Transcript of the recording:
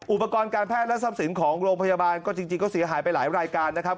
อุปกรณ์การแพทย์และทรัพย์สินของโรงพยาบาลก็จริงก็เสียหายไปหลายรายการนะครับ